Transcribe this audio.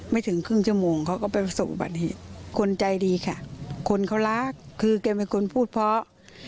ไม่ถึงครึ่งชั่วโมงเขาก็ไปสู่บริษัทคนใจดีค่ะคนเขารักคือแกเป็นคนพูดเพราะ